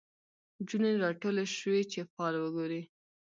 نجونې راټولي شوی چي فال وګوري